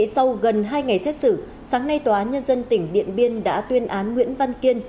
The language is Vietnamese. sau gần hai ngày xét xử sáng nay tòa án nhân dân tỉnh điện biên đã tuyên án nguyễn văn kiên